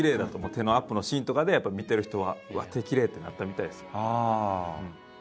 手のアップのシーンとかでやっぱり見てる人は「うわっ手きれい」ってなったみたいですよ。